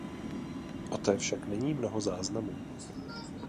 O té však není mnoho záznamů.